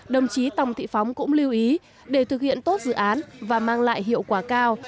đồng chí tòng thị phóng cũng lưu ý để thực hiện tốt dự án và mang lại hiệu quả cao